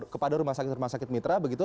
kepada rumah sakit rumah sakit mitra begitu